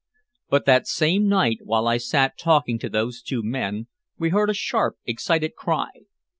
But that same night, while I sat talking to those two men, we heard a sharp excited cry.